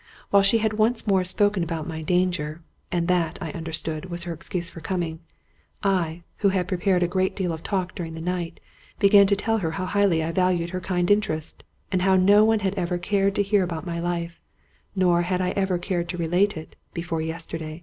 While she had once more spoken about my danger — and that, I understood, was her excuse for coming — I, who had prepared a great deal of talk during the night, began to tell her how highly I valued her kind interest, and how no 'One had ever cared to hear about my life, nor had I ever cared to relate it, before yesterday.